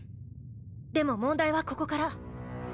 でも問題はここから。